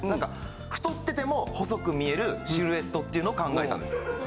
太ってても細く見えるシルエットっていうのを考えたんです。